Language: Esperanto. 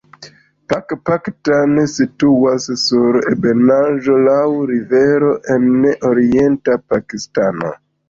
Pakpatan situas sur ebenaĵo laŭ rivero en orienta Pakistano.